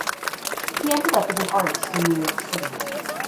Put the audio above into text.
He ended up as an artist in New York City.